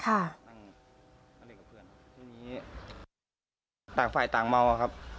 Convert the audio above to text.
ต่างฝ่ายต่างเมาครับ